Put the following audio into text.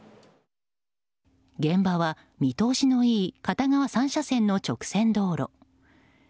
現場は見通しのいい片側３車線の直線道路。